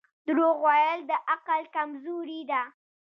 • دروغ ویل د عقل کمزوري ده.